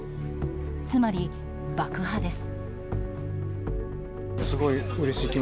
つまり、爆破です。